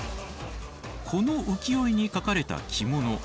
この浮世絵に描かれた着物。